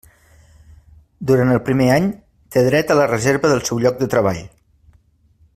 Durant el primer any té dret a la reserva del seu lloc de treball.